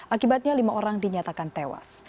akibatnya lima orang dinyatakan tewas